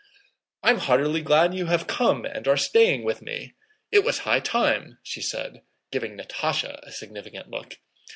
"I'm heartily glad you have come and are staying with me. It was high time," she said, giving Natásha a significant look.